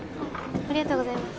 ありがとうございます